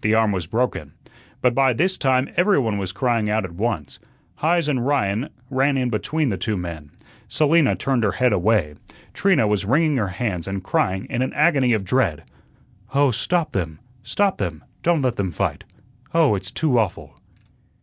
The arm was broken. But by this time every one was crying out at once. Heise and Ryan ran in between the two men. Selina turned her head away. Trina was wringing her hands and crying in an agony of dread: "Oh, stop them, stop them! Don't let them fight. Oh, it's too awful."